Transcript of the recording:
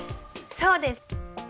そうです！